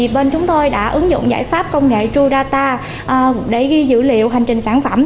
bên chúng tôi đã ứng dụng giải pháp công nghệ ru data để ghi dữ liệu hành trình sản phẩm